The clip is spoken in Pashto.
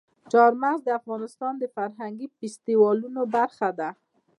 چار مغز د افغانستان د فرهنګي فستیوالونو برخه ده.